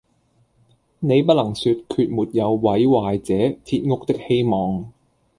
你不能說決沒有毀壞這鐵屋的希望。”